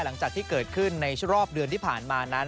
หลังจากที่เกิดขึ้นในรอบเดือนที่ผ่านมานั้น